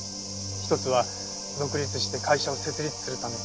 一つは独立して会社を設立するため。